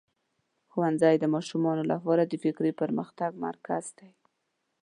ښوونځی د ماشومانو لپاره د فکري پرمختګ مرکز دی.